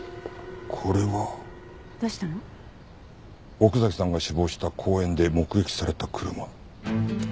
奥崎さんが死亡した公園で目撃された車。